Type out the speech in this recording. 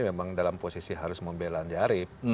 memang dalam posisi harus membela andi arief